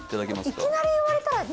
いきなり言われたらね